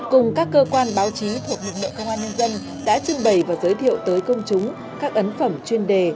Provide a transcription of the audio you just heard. cùng các cơ quan báo chí thuộc lực lượng công an nhân dân đã trưng bày và giới thiệu tới công chúng các ấn phẩm chuyên đề